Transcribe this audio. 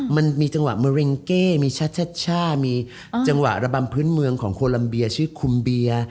มันมีจังหวะเมอร์เร็งเก้มีชัชช่ามีจังหวะระบำพื้นเมืองของโคลัมเบียชื่อคุมเบีย